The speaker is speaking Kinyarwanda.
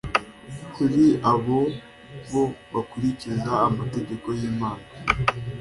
kuri ari bo bakurikiza amategeko y Imana